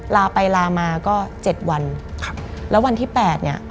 ลาไปลามาก็๗วันแล้ววันที่๘เนี่ย